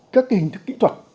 các cái hình thức kỹ thuật